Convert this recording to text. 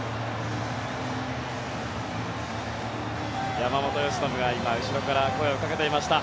山本由伸が今、後ろから声をかけていました。